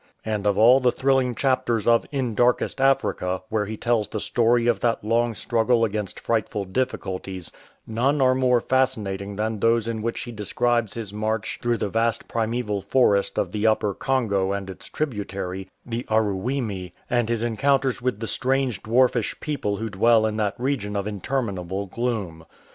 And of all the thrilling chapters of In Darkest Africa, where he tells the story of that long struggle against frightful difficulties, none are more fascinating than those in which he describes his march through the vast primeval forest of the Upper Congo and its tributary, the Aruwimi, and his encounters with the strange dwarfish people who dwell in that region of interminable gloom.